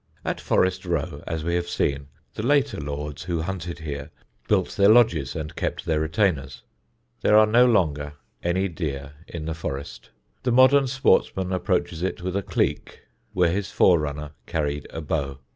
At Forest Row, as we have seen, the later lords who hunted here built their lodges and kept their retainers. There are no longer any deer in the Forest; the modern sportsman approaches it with a cleek where his forerunner carried a bow.